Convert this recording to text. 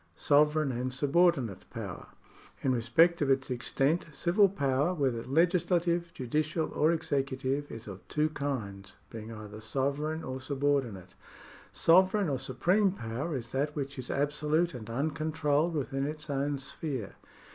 Sovereigri and subordinate poiver. — In respect of its extent civil power, whether legislative, judicial, or executive, is of two kinds, being either sovereign or subordinate. Sovereign or supreme power is that which is absolute and uncontrolled within its own sphere.